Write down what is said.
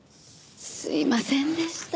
すいませんでした。